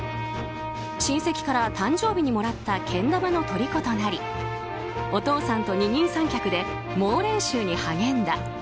親戚から誕生日にもらったけん玉のとりことなりお父さんと二人三脚で猛練習に励んだ。